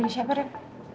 ini siapa ren